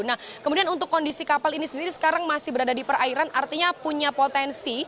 nah kemudian untuk kondisi kapal ini sendiri sekarang masih berada di perairan artinya punya potensi